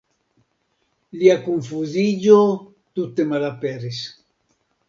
Lia konfuziĝo tute malaperis.